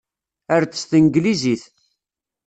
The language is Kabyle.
Err-d s tanglizit.